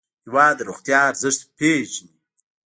هېواد د روغتیا ارزښت پېژني.